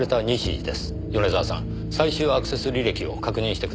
米沢さん最終アクセス履歴を確認してください。